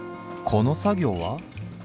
この作業は？